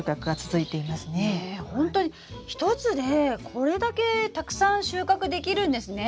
ほんとに１つでこれだけたくさん収穫できるんですね。